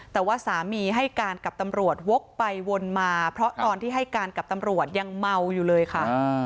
แต่ว่าสามีให้การกับตำรวจวกไปวนมาเพราะตอนที่ให้การกับตำรวจยังเมาอยู่เลยค่ะ